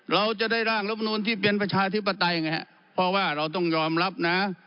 เราจะได้ร่างรับนูลที่เป็นประชาธิปไตยไงฮะเพราะว่าเราต้องยอมรับนะ